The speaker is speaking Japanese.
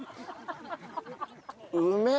うめえ！